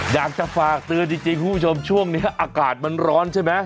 อยากจะฝากเตือนจริงคุณผู้ชมช่วงนี้อากาศมันร้อนใช่ไหม